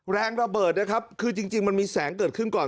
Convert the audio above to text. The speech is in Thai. แรงระเบิดนะครับคือจริงมันมีแสงเกิดขึ้นก่อน